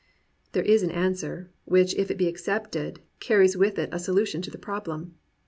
There is an answer, which if it be accepted, car ries with it a solution of the problem.